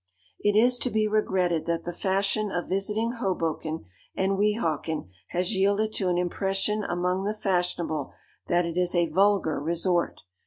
It is to be regretted that the fashion of visiting Haboken and Weehawken has yielded to an impression among the "fashionable" that it is a vulgar resort.